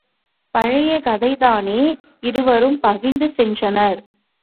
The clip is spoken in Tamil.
பழைய கதைதானே இருவரும் பிக்நிக் சென்றனர்.